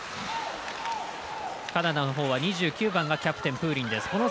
カナダのほうは２９番がキャプテンのプーリンです。